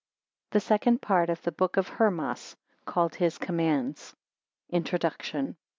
THE SECOND PART OF THE BOOK OF HERMAS, CALLED HIS COMMANDS. Introduction.